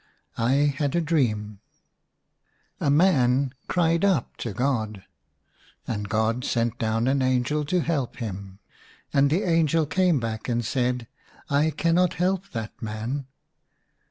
I had a dream. A man cried up to God, and God sent down an angel to help him ; and the angel came back and said, " I cannot help that man."